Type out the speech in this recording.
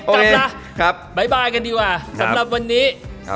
กลับมาบ๊ายบายกันดีกว่าสำหรับวันนี้